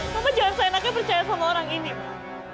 bapak jangan whatsapp percaya sama orang ini ibu